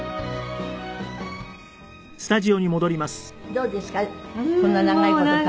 どうですか？